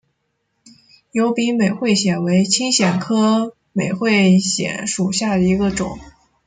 疣柄美喙藓为青藓科美喙藓属下的一个种。